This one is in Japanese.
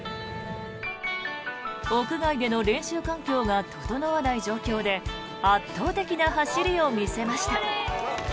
屋外での練習環境が整わない状況で圧倒的な走りを見せました。